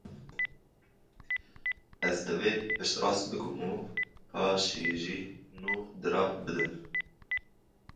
Ez divê pişt rast bikim û paşî ji nû dirav bidim.